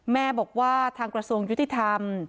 แม่บอกว่าทางกระทรวงยุติธรรม